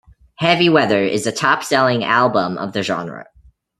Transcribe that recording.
"Heavy Weather" is the top-selling album of the genre.